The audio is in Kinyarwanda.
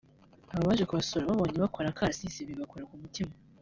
Aba baje kubasura bababonye bakora akarasisi bibakora ku mutima